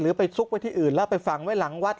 ไปซุกไว้ที่อื่นแล้วไปฝังไว้หลังวัด